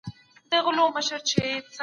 تر څو به موږ په دغه بې باورۍ کې ژوند کوو؟